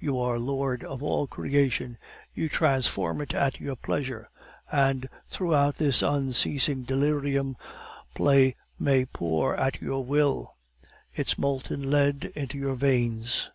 You are lord of all creation; you transform it at your pleasure. And throughout this unceasing delirium, Play may pour, at your will, its molten lead into your veins.